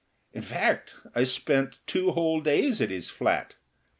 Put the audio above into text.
In fact, I spent two whole days at his flat.